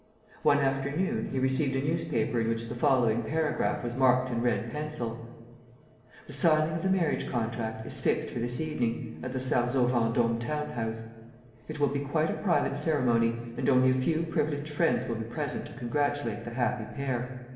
One afternoon, he received a newspaper in which the following paragraph was marked in red pencil: "The signing of the marriage contract is fixed for this evening, at the Sarzeau Vendôme town house. It will be quite a private ceremony and only a few privileged friends will be present to congratulate the happy pair.